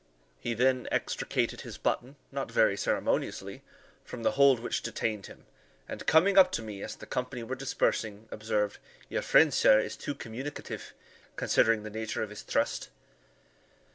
He then extricated his button, not very ceremoniously, from the hold which detained him, and coming up to me as the company were dispersing, observed, "Your friend, sir, is too communicative, considering the nature of his trust."